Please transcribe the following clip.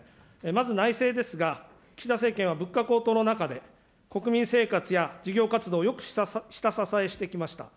まず内政ですが、岸田政権は物価高騰の中で、国民生活や事業活動をよく下支えしてきました。